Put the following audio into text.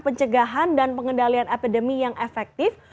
pencegahan dan pengendalian epidemi yang efektif